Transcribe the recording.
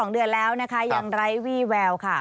๒เดือนแล้วนะคะยังไร้วี่แววค่ะ